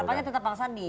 harapannya tetap bang sandi